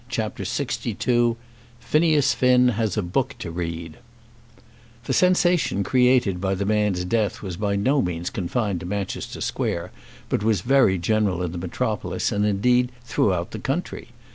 CHAPTER LXII Phineas Finn Has a Book to Read The sensation created by the man's death was by no means confined to Manchester Square, but was very general in the metropolis, and, indeed, throughout the country.